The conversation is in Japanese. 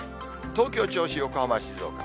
東京、銚子、横浜、静岡。